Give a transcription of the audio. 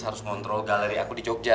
harus ngontrol galeri aku di jogja